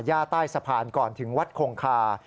ย่าใต้สะพานก่อนถึงวัดคงคา